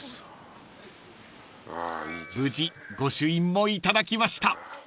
［無事御朱印も頂きました］